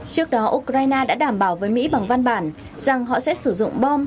trước đó ukraine đã đảm bảo với mỹ bằng văn bản rằng họ sẽ sử dụng bom